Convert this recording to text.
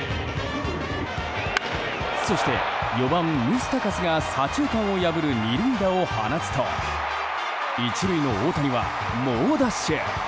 そして４番、ムスタカスが左中間を破る２塁打を放つと１塁の大谷は猛ダッシュ。